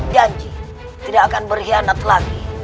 janji tidak akan berkhianat lagi